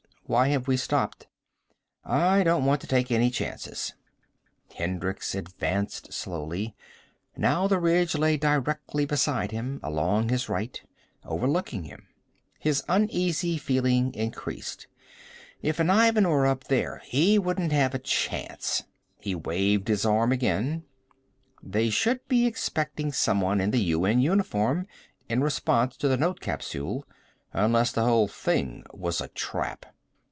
"Why have we stopped?" "I don't want to take any chances." Hendricks advanced slowly. Now the ridge lay directly beside him, along his right. Overlooking him. His uneasy feeling increased. If an Ivan were up there he wouldn't have a chance. He waved his arm again. They should be expecting someone in the UN uniform, in response to the note capsule. Unless the whole thing was a trap.